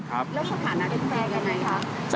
แล้วสถานะเป็นแค่ไหนคะ